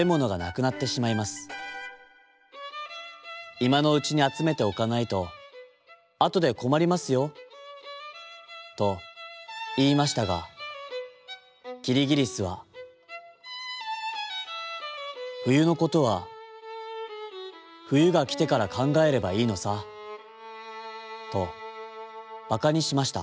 いまのうちにあつめておかないとあとでこまりますよ」といいましたがキリギリスは「ふゆのことはふゆがきてからかんがえればいいのさ」とばかにしました。